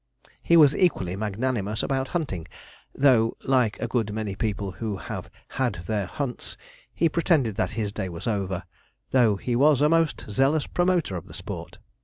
He was equally magnanimous about hunting, though, like a good many people who have 'had their hunts,' he pretended that his day was over, though he was a most zealous promoter of the sport.